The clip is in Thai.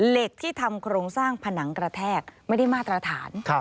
เหล็กที่ทำโครงสร้างผนังกระแทกไม่ได้มาตรฐาน